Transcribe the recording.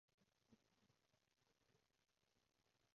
聽講中國經濟好差